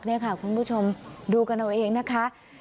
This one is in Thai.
นี่ค่ะคุณผู้ชมดูกันเอาเองนะคะ